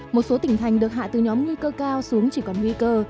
một số tỉnh thành được hạ từ nhóm nguy cơ cao xuống chỉ còn nguy cơ